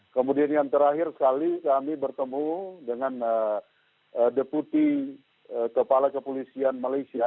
kemudian yang terakhir sekali kami bertemu dengan deputi kepala kepolisian malaysia